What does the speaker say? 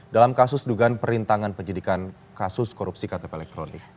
dalam kasus dugaan perintangan penyidikan kasus korupsi ktp elektronik